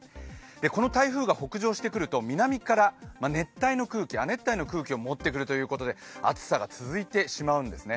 この台風が北上してくると南から亜熱帯の空気を持ってくるということで暑さが続いてしまうんですね。